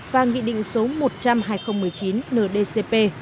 và nghị định số một trăm linh hai nghìn một mươi chín ndcp